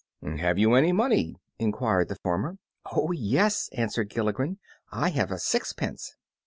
"Have you any money?" enquired the farmer. "Oh yes," answered Gilligren, "I have a sixpence."